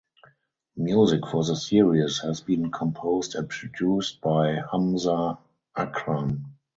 Music for the series has been composed and produced by Hamza Akram.